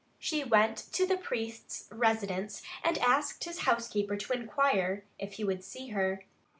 She went to the priest's residence and asked his housekeeper to inquire if he would see her.